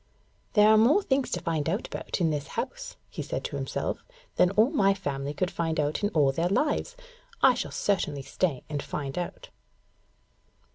'There are more things to find out about in this house,' he said to himself, 'than all my family could find out in all their lives. I shall certainly stay and find out.'